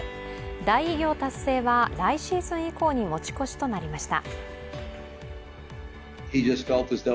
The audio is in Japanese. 大偉業達成は来シーズン以降に持ち越しとなりました。